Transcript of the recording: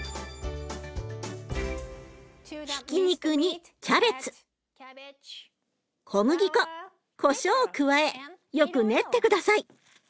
ひき肉にキャベツ小麦粉こしょうを加えよく練って下さい。